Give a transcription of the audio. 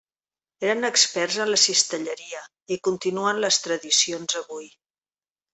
Eren experts en la cistelleria i continuen les tradicions avui.